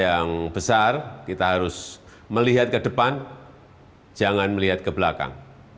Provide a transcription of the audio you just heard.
yang besar kita harus melihat ke depan jangan melihat ke belakang